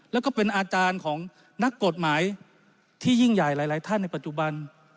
แล้วก็เป็นอาจารย์ของนักกฎหมายที่ยิ่งใหญ่หลายท่านในปัจจุบัน